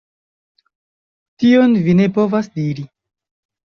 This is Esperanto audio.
Tion vi ne povas diri!